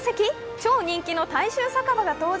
超人気の大衆酒場が登場。